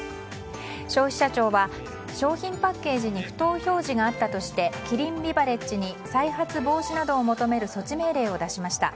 消費者庁は商品パッケージに不当表示があったとしてキリンビバレッジに再発防止などを求める措置命令を出しました。